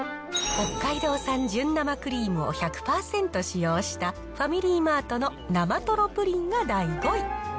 北海道産純生クリームを１００％使用した、ファミリーマートの生とろプリンが第５位。